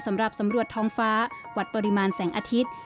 สำหรับสำรวจท้องฟ้าวัดปริมาณแสงอาทิตย์